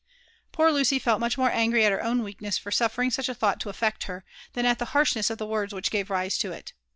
Poor Lucy felt much more angry at her own weakness for suffering such a thought to affect her, than at the harshness of the words which gave rise to it.